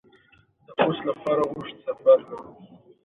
دریشي اغوستل ادب ته اشاره ده.